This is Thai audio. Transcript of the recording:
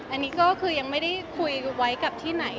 อันนี้ก็คือยังไม่ได้คุยไว้กับที่ไหน